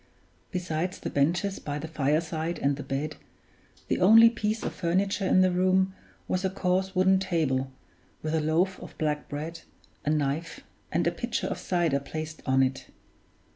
Besides the benches by the fireside and the bed, the only piece of furniture in the room was a coarse wooden table, with a loaf of black bread, a knife, and a pitcher of cider placed on it.